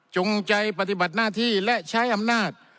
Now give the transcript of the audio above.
จงใจปฏิบัติหน้าที่และใช้อำนาจ